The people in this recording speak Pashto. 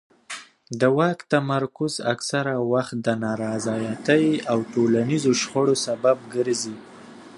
د واک تمرکز اکثره وخت د نارضایتۍ او ټولنیزو شخړو سبب ګرځي